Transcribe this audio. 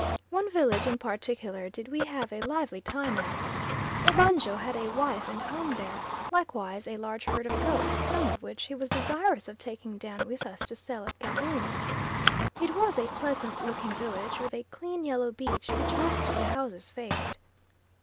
One village in particular did we have a lively time at. Obanjo had a wife and home there, likewise a large herd of goats, some of which he was desirous of taking down with us to sell at Gaboon. It was a pleasant looking village, with a clean yellow beach which most of the houses faced.